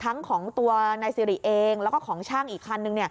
ของตัวนายสิริเองแล้วก็ของช่างอีกคันนึง